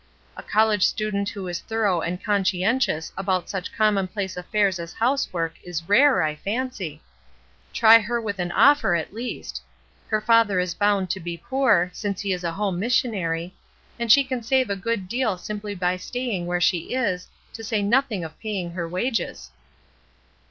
A college student who is thorough and conscientious about such commonplace af fairs as housework is rare, I fancy. Try her with an offer, at least. Her father is bound to be poor, since he is a home missionary, and she can save a good deal simply by sta)dng where she is, to say nothing of paying her wages."